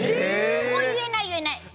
言えない、言えない。